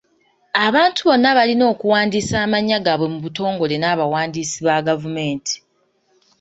Abantu bonna balina okuwandiisa amannya gaabwe mu butongole n'abawandiisi ba gavumenti.